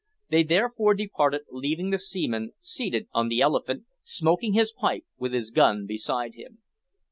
They therefore departed, leaving the seaman seated on the elephant, smoking his pipe with his gun beside him.